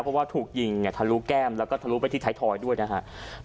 เพราะว่าถูกยิงเนี่ยทะลุแก้มแล้วก็ทะลุไปที่ไทยทอยด้วยนะครับ